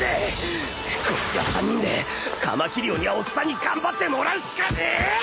こっちは３人でカマキリ鬼はおっさんに頑張ってもらうしかねえ！